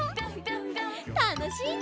たのしいね！